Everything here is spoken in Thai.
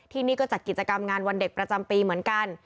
ที่นี่ก็จัดกิจกรรมงานวันเด็กประจำปีเหมือนกัน